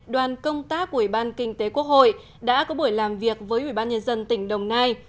đoàn công tác của ủy ban kinh tế quốc hội đã có buổi làm việc với ủy ban nhân dân tỉnh đồng nai